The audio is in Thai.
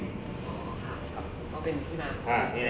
อ๋อค่ะเอาเป็นหน้า